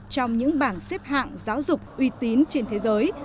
trong những bảng xếp hạng giáo dục uy tín trên thế giới